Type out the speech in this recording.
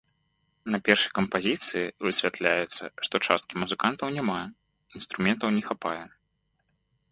На першай кампазіцыі высвятляецца, што часткі музыкантаў няма, інструментаў не хапае.